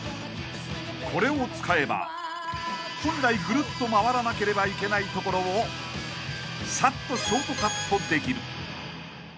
［これを使えば本来ぐるっと回らなければいけないところをさっとショートカットできる］